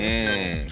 うん。